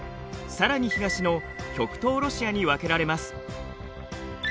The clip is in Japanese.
さらに東の極東ロシアに分けられます。